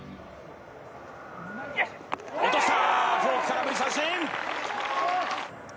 落としたフォーク空振り三振。